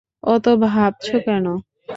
অত ভাবছ কেন?